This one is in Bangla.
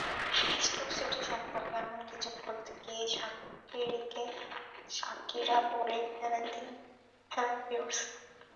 স্টোক সিটি সম্পর্কে এমন কিছু বলতে গিয়েই শাকিরিকে শাকিরা বলে ফেলেন পিয়ার্স।